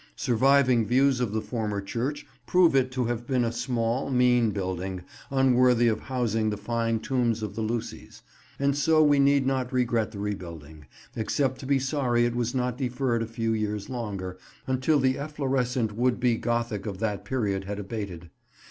Surviving views of the former church prove it to have been a small, mean building, unworthy of housing the fine tombs of the Lucys; and so we need not regret the rebuilding, except to be sorry it was not deferred a few years longer, until the efflorescent would be Gothic of that period had abated.